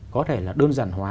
có thể là đơn giản hóa